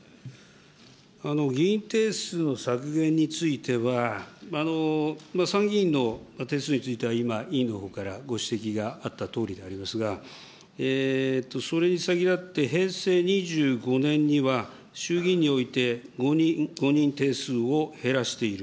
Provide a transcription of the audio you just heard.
議員定数の削減については、参議院の定数については今、委員のほうからご指摘があったとおりでありますが、それに先立って平成２５年には、衆議院において５人、５人定数を減らしている。